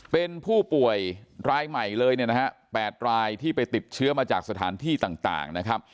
เป็นผู้ป่วยรายใหม่เลย๘รายที่ไปติดเชื้อมาจากสถานที่ต่าง